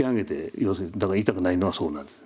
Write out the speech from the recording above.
要するにだから痛くないのはそうなってた。